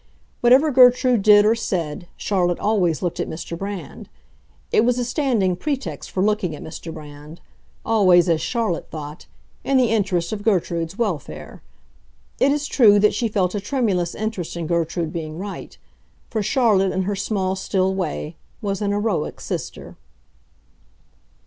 Whatever Gertrude did or said, Charlotte always looked at Mr. Brand. It was a standing pretext for looking at Mr. Brand—always, as Charlotte thought, in the interest of Gertrude's welfare. It is true that she felt a tremulous interest in Gertrude being right; for Charlotte, in her small, still way, was an heroic sister.